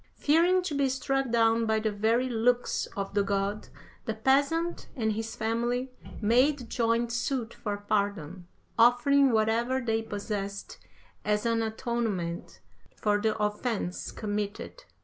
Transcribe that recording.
Fearing to be struck down by the very looks of the god, the peasant and his family made joint suit for pardon, offering whatever they possessed as an atonement for the offence committed.